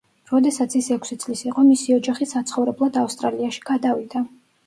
როდესაც ის ექვსი წლის იყო, მისი ოჯახი საცხოვრებლად ავსტრალიაში გადავიდა.